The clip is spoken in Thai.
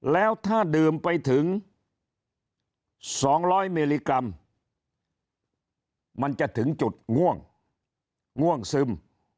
แล้วถ้าดื่มไปถึง๒๐๐มิลลิกรัมมันจะถึงจุดง่วงง่วงซึม